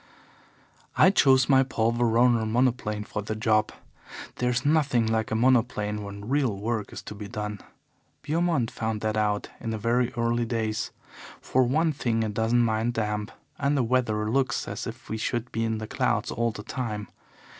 "I chose my Paul Veroner monoplane for the job. There's nothing like a monoplane when real work is to be done. Beaumont found that out in very early days. For one thing it doesn't mind damp, and the weather looks as if we should be in the clouds all the time.